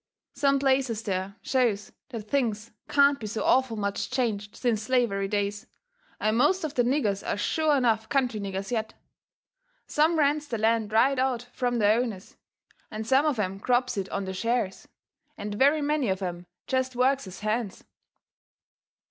Some places there shows that things can't be so awful much changed since slavery days, and most of the niggers are sure enough country niggers yet. Some rents their land right out from the owners, and some of 'em crops it on the shares, and very many of 'em jest works as hands.